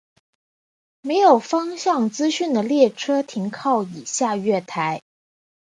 没有方向资讯的列车停靠以下月台。